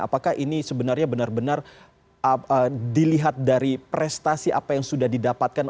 apakah ini sebenarnya benar benar dilihat dari prestasi apa yang sudah didapatkan